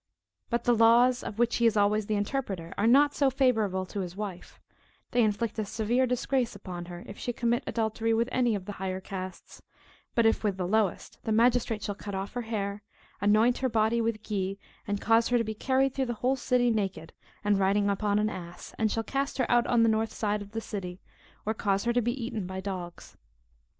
But the laws, of which he is always the interpreter, are not so favorable to his wife; they inflict a severe disgrace upon her, if she commit adultery with any of the higher casts; but if with the lowest, the magistrate shall cut off her hair, anoint her body with Ghee, and cause her to be carried through the whole city, naked, and riding upon an ass; and shall cast her out on the north side of the city, or cause her to be eaten by dogs.